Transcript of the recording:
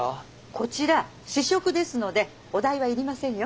こちら試食ですのでお代は要りませんよ。